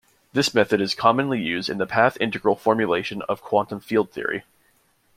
This method is commonly used in the path integral formulation of quantum field theory.